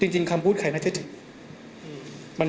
จริงคำพูดใครน่าจะถึง